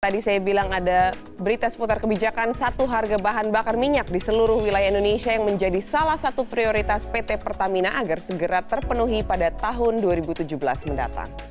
tadi saya bilang ada berita seputar kebijakan satu harga bahan bakar minyak di seluruh wilayah indonesia yang menjadi salah satu prioritas pt pertamina agar segera terpenuhi pada tahun dua ribu tujuh belas mendatang